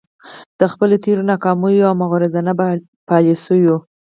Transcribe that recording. د خپلو تیرو ناکامو او مغرضانه يالیسیو